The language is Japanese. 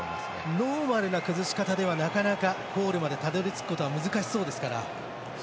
ノーマルな崩し方ではなかなかゴールまで、たどり着くことは難しそうですから。